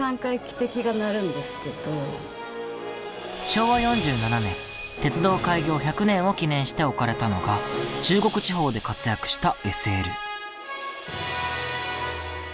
昭和４７年鉄道開業１００年を記念して置かれたのが中国地方で活躍したＳＬ。